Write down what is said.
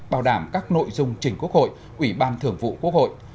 bảo đảm các nội dung chỉnh quốc hội ủy ban thường vụ quốc hội